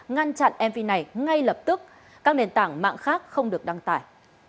ngăn chặn mv này ngay lập tức các nền tảng mạng khác không được đăng tải